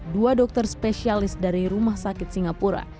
dua dokter spesialis dari rumah sakit singapura